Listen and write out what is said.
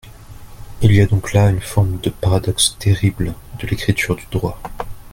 Il y a donc là une forme de paradoxe terrible de l’écriture du droit.